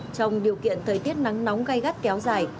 trong điều kiện thời tiết nắng nóng gai gắt kéo dài